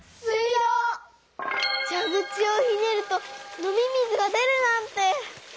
じゃぐちをひねると飲み水が出るなんて！